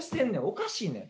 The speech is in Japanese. おかしいねん。